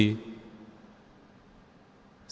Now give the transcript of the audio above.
untuk menjaga keuntungan